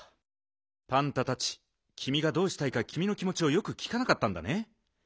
パンタたちきみがどうしたいかきみの気もちをよくきかなかったんだね。